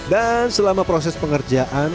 dan selama proses pengerjaan